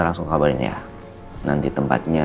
langsung kabarin ya nanti tempatnya